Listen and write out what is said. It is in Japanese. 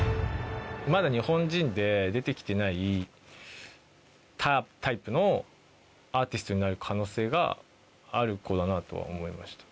まだ日本人で出てきてないタイプのアーティストになる可能性がある子だなとは思いました。